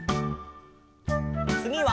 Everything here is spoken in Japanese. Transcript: つぎは。